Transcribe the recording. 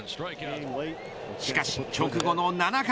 しかし直後の７回。